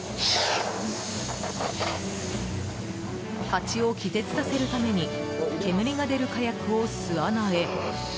ハチを気絶させるために煙が出る火薬を巣穴へ。